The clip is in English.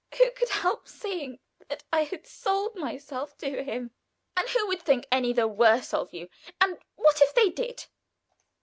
Who could help seeing that I had sold myself to him?" "And who would think any the worse of you? And what if they did?